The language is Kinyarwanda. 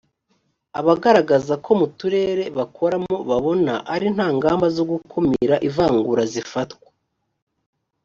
abagaragaza ko mu turere bakoramo babona ari nta ngamba zo gukumira ivangura zifatwa